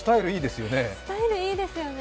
スタイルいいですよね。